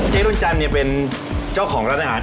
เจ๊นวนจันทร์เป็นเจ้าของร้านอาหาร